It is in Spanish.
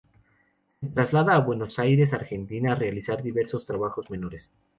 Se traslada a Buenos Aires, Argentina, a realizar diversos trabajos menores.